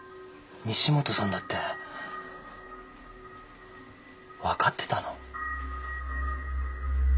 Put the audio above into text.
西本さんだって分かってたの？